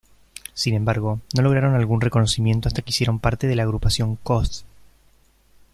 Sin embargo, no lograron algún reconocimiento hasta que hicieron parte de la agrupación Coz.